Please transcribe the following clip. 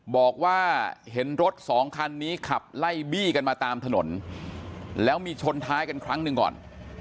บอกว่าเห็นรถสองคันนี้ขับไล่บี้กันมาตามถนนแล้วมีชนท้ายกันครั้งหนึ่งก่อน